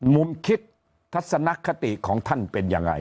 มุมคิดทัศนคติของท่านเป็นยังไง